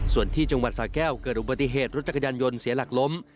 ส่วนที่จังหวัดสาแก้วเกิดอุบัติเหตุรถจักรยานยนต์เสียหลักล้ม